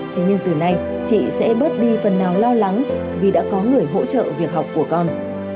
thế nhưng từ nay chị sẽ bớt đi phần nào lo lắng vì đã có người hỗ trợ việc học của con